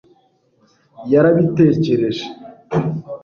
yarabitekereje